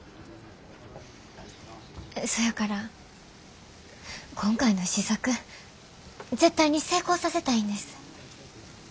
そやから今回の試作絶対に成功させたいんです。